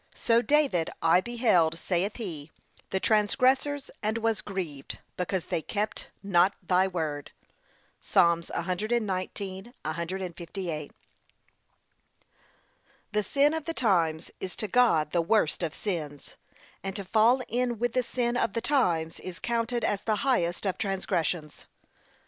So David, 'I beheld,' saith he, 'the transgressors, and was grieved, because they kept not thy word.' (Psa. 119:158) The sin of the times is to God the worst of sins; and to fall in with the sin of the times is counted as the highest of transgressions.